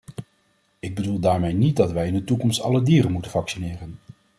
Ik bedoel daarmee niet dat wij in de toekomst alle dieren moeten vaccineren.